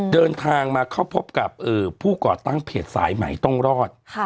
เดินทางมาเข้าพบกับผู้ก่อตั้งเพจสายใหม่ต้องรอด